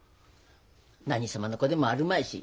何様の子でもあるまいし。